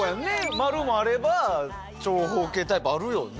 丸もあれば長方形タイプあるよね。